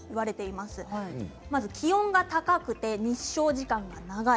まず気温が高くて日照時間が長い